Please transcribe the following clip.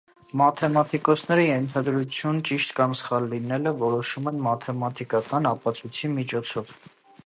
Մաթեմատիկոսները ենթադրության ճիշտ կամ սխալ լինելը որոշում են մաթեմատիկական ապացույցի միջոցով։